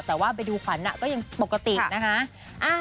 แต่ว่าไปดูขวัญก็ยังปกตินะคะ